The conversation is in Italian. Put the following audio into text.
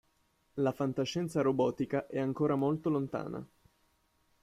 La fantascienza robotica è ancora molto lontana.